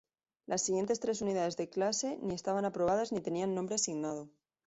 Las siguientes tres unidades de la clase ni estaban aprobadas ni tenían nombre asignado.